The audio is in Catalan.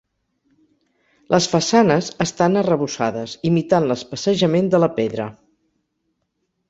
Les façanes estan arrebossades imitant l'especejament de la pedra.